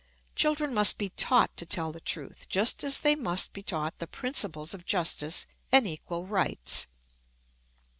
Children must be taught to tell the truth, just as they must be taught the principles of justice and equal rights.